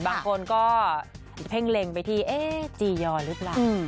บางคนก็เพ่งเล็งไปที่จียอหรือเปล่า